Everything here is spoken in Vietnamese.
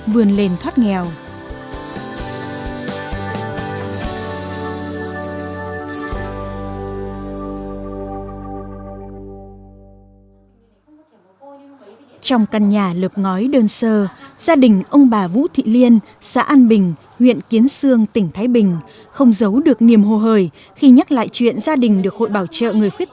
vươn lên thoát nghèo